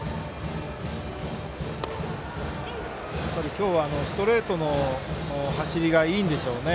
今日はストレートの走りがいいんでしょうね。